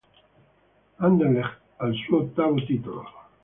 Anderlecht, al suo ottavo titolo.